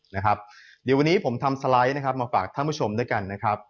เดี๋ยววันนี้ผมทำสไลด์มาฝากท่านผู้ชมด้วยกัน